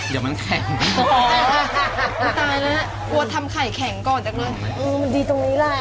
ตายแล้วนะกลัวทำไข่แข็งก่อน